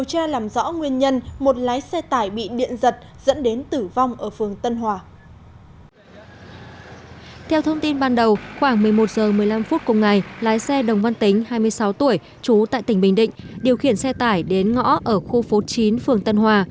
khoảng một mươi một h một mươi năm phút cùng ngày lái xe đồng văn tính hai mươi sáu tuổi chú tại tỉnh bình định điều khiển xe tải đến ngõ ở khu phố chín phường tân hòa